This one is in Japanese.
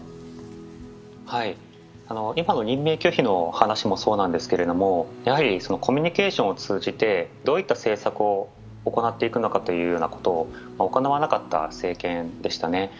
今の任命拒否の話もそうなんですけれども、コミュニケーションを通じてどういった政策を行っていくのかということ、行わなかった政権でしたね。